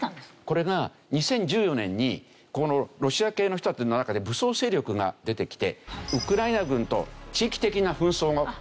これが２０１４年にこのロシア系の人たちの中で武装勢力が出てきてウクライナ軍と地域的な紛争が始まってるわけですね。